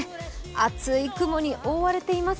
厚い雲に覆われています。